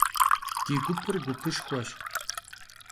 Di gupır gupışşxueş.